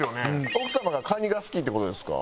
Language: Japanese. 奥様がカニが好きっていう事ですか？